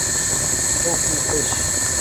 ওহ, হ্যাঁ, বেশ।